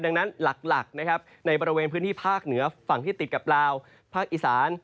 ดังนั้นหลักนะครับในบริเวณพื้นที่ภาคเหนือฝั่งที่ติดกับลาวภาคอีสาน